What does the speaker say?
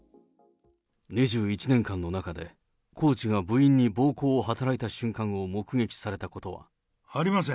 ２１年間の中で、コーチが部員に暴行を働いた瞬間を目撃されたことは？